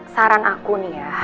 saran aku nih ya